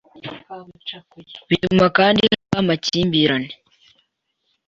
Bituma kandi habaho amakimbirane